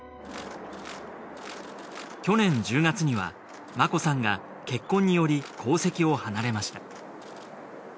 去年１０月には眞子さんが結婚により皇籍を離れました。